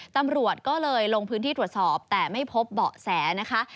ตำรวจก็เลยลงพื้นที่ตรวจสอบแต่ไม่พบเบาะแสนะคะ